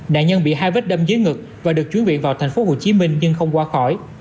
nạn nhân bị hai vết đâm dưới ngực và được chuyển viện vào tp hcm nhưng không qua khỏi